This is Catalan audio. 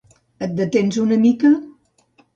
Et detens una mica?